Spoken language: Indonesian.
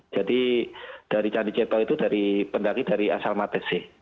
jadi dari candi ceto itu pendaki dari asal matesi